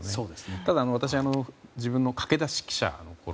ただ、私自分が駆け出し記者のころ